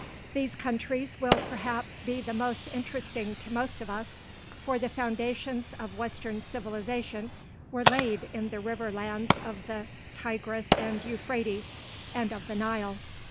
These countries will perhaps be the most interesting to most of us, for the foundations of western civilization were laid in the river lands of the Tigris and Euphrates and of the Nile.